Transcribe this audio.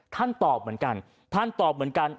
ท่านตอบเหมือนกันท่านตอบเหมือนกัน